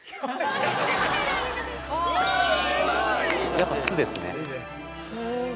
やっぱ巣ですね。